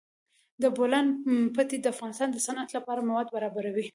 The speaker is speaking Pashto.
د بولان پټي د افغانستان د صنعت لپاره مواد برابروي.